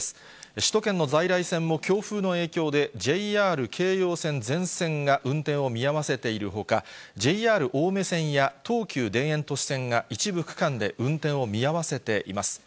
首都圏の在来線も強風の影響で、ＪＲ京葉線全線が運転を見合わせているほか、ＪＲ青梅線や東急田園都市線が、一部区間で運転を見合わせています。